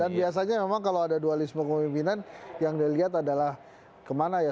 dan biasanya memang kalau ada dualisme pemimpinan yang dilihat adalah kemana ya